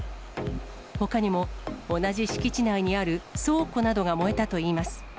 ほかにも同じ敷地内にある倉庫などが燃えたといいます。